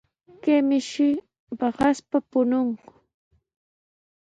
Kay mishi paqaspa puñunku.